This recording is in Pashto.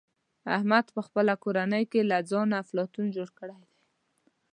احمد په خپله کورنۍ کې له ځانه افلاطون جوړ کړی دی.